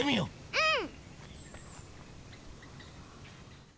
うん！